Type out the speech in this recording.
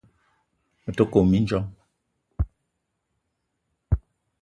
Me te kome mindjong.